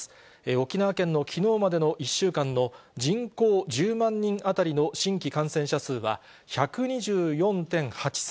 沖縄県のきのうまでの１週間の、人口１０万人当たりの新規感染者数は１２４．８３